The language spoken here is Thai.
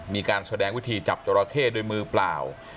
มีการแสดงวิธีจับจราเข้ด้วยมือเปล่า